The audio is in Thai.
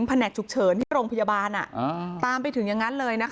แหนกฉุกเฉินที่โรงพยาบาลตามไปถึงอย่างนั้นเลยนะคะ